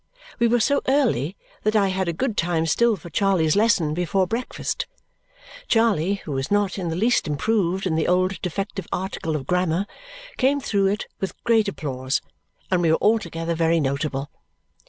We were so early that I had a good time still for Charley's lesson before breakfast; Charley (who was not in the least improved in the old defective article of grammar) came through it with great applause; and we were altogether very notable.